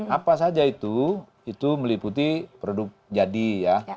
apa saja itu itu meliputi produk jadi ya